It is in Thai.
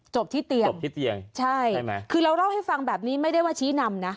ที่เตียงจบที่เตียงใช่ใช่ไหมคือเราเล่าให้ฟังแบบนี้ไม่ได้ว่าชี้นำนะ